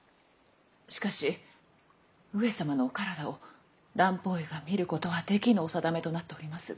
しかし上様のお体を蘭方医が診ることはできぬお定めとなっておりますが。